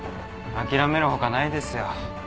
諦めるほかないですよ。